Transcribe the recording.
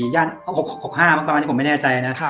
๖๔ย่าน๖๕ประมาณนี้ผมไม่แน่ใจนะ